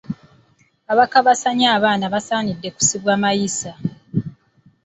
Abakabasanya abaana basaanidde kusibwa mayisa.